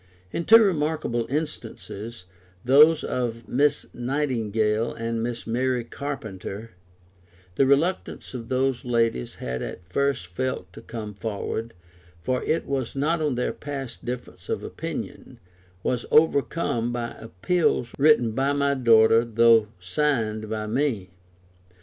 In two remarkable instances, those of Miss Nightingale and Miss Mary Carpenter, the reluctance those ladies had at first felt to come forward, (for it was not on their past difference of opinion) was overcome by appeals written by my daughter though signed by me.